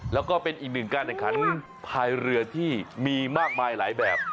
แล้วก็เป็นอีกหนึ่งการแข่งขันภายเรือที่มีมากมายหลายแบบ